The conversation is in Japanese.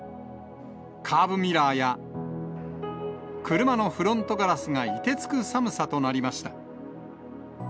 カーブミラーや、車のフロントガラスがいてつく寒さとなりました。